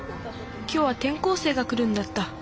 今日はてん校生が来るんだった。